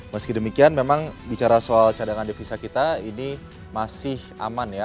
meski demikian memang bicara soal cadangan devisa kita ini masih aman ya